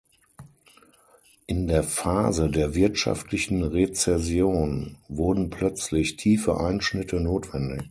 In der Phase der wirtschaftlichen Rezession wurden plötzlich tiefe Einschnitte notwendig.